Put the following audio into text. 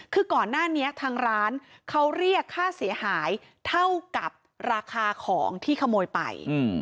คือก่อนหน้านี้ทางร้านเขาเรียกค่าเสียหายเท่ากับราคาของที่ขโมยไป